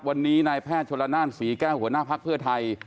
วันนี้นายแพทย์ชนละนานศรีแก้วหัวหน้าภักดิ์เพื่อไทย